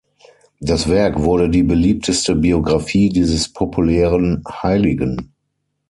Das Werk wurde die beliebteste Biografie dieses populären Heiligen.